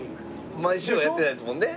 毎週はやってないですもんね。